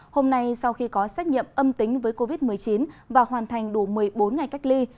hôm nay sau khi có xét nghiệm âm tính với covid một mươi chín và hoàn thành đủ một mươi bốn ngày cách ly